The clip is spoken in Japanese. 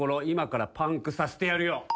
今からパンクさせてやるよ。